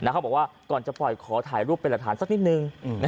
เขาบอกว่าก่อนจะปล่อยขอถ่ายรูปเป็นหลักฐานสักนิดนึง